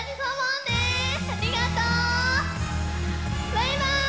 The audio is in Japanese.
バイバーイ！